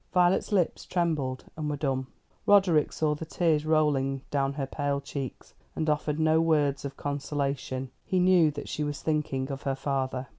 Violet's lips trembled and were dumb. Roderick saw the tears rolling down her pale cheeks, and offered no word of consolation. He knew that she was thinking of her father.